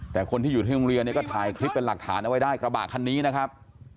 แต่คนที่อยู่ที่โรงเรียนเนี่ยก็ถ่ายคลิปเป็นหลักฐานเอาไว้ได้กระบะคันนี้นะครับ